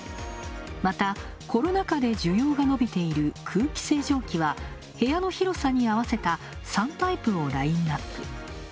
また、コロナ禍で需要が伸びている空気清浄機は部屋の広さに合わせた３タイプをラインナップ。